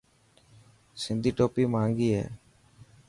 سنڌي ٽوپي مهنگي هي.